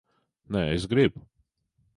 Nē, es gribu.